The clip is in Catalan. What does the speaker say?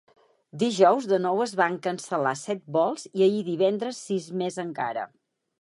Dijous de nou es van cancel·lar set vols i ahir divendres sis més encara.